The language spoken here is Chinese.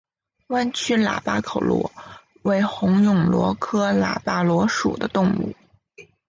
弯曲喇叭口螺为虹蛹螺科喇叭螺属的动物。